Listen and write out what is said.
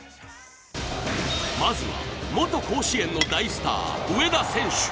まずは元甲子園の大スター・植田選手。